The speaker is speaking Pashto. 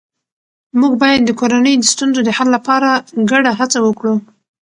موږ باید د کورنۍ د ستونزو د حل لپاره ګډه هڅه وکړو